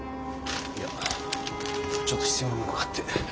いやちょっと必要なものがあって。